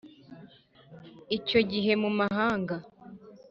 Icyo gihe mu mahanga